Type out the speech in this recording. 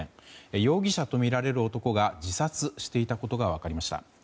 容疑者とみられる男が自殺していたことが分かりました。